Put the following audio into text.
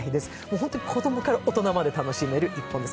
本当に子供から大人まで楽しめる１本です。